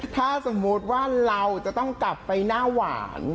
ถ้าสมมุติว่าเราจะต้องกลับไปหน้าหวาน